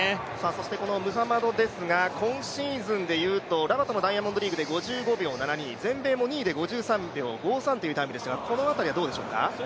そしてこのムハマドですが、今シーズンでいうとダイヤモンドリーグで５５秒７２、全米も２位で５３秒５３というタイムでしたがこの辺りはどうでしょうか？